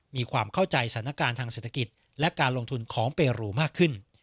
มีความเข้าใจสถานการณ์ทางเศรษฐกิจและการลงทุนของเปรูมากขึ้น